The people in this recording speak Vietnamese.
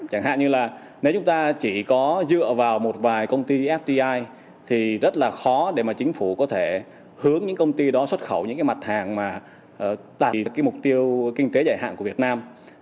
chẳng hạn như là nếu chúng ta chỉ có dựa vào một vài công ty fdi thì rất là khó để mà chính phủ có thể hướng những công ty đó xuất khẩu những cái mặt hàng mà đạt được cái mục tiêu kinh tế dài hạn của việt nam